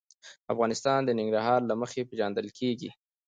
افغانستان د ننګرهار له مخې پېژندل کېږي.